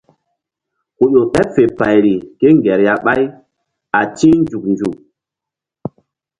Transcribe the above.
Ku ƴo ɓeɓ fe payri kéŋger ya ɓáy a ti̧h nzuk nzuk.